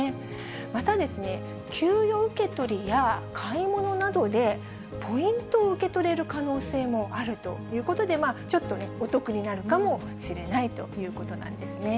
また、給与受け取りや買い物などで、ポイントを受け取れる可能性もあるということで、ちょっとお得になるかもしれないということなんですね。